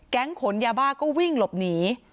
ขนยาบ้าก็วิ่งหลบหนี